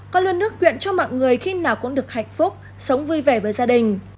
con luôn nước quyện cho mọi người khi nào cũng được hạnh phúc sống vui vẻ với gia đình